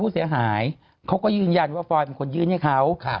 เสียหายเขาก็ยืนยันว่าฟอยเป็นคนยื่นให้เขา